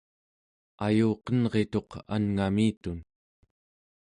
ayuqenrituq anngamitun